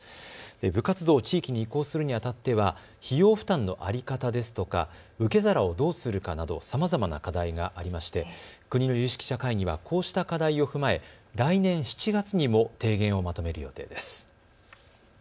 部活動を地域に移行するにあたっては費用負担の在り方ですとか受け皿をどうするかなどさまざまな課題がありまして国の有識者会議はこうした課題を踏まえ来年７月にも提言をまとめる予定です。